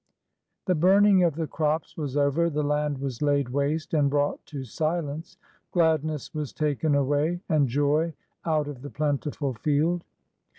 The burning of the crops was over. The land was laid waste and brought to silence. Gladness was taken away, and joy out of the plentiful field.